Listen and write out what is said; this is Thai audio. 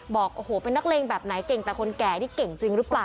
บอกโอ้โหเป็นนักเลงแบบไหนเก่งแต่คนแก่นี่เก่งจริงหรือเปล่า